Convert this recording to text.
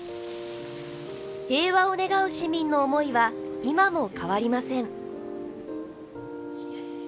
平和を願う市民の思いは今も変わりません。